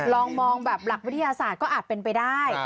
ลองมองแบบหลักวิทยาศาสตร์ก็อาจเป็นไปได้